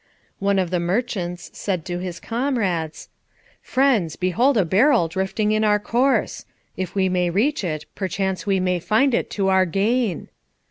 One of the merchants said to his comrades, "Friends, behold a barrel drifting in our course. If we may reach it, perchance we may find it to our gain."